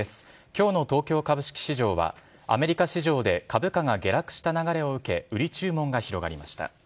今日の東京株式市場はアメリカ市場で株価が下落した流れを受け売り注文が広がりました。